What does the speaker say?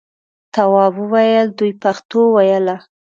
تواب وویل دوی پښتو ویله.